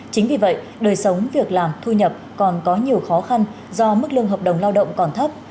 chính vì vậy đời sống việc làm thu nhập còn có nhiều khó khăn do mức lương hợp đồng lao động còn thấp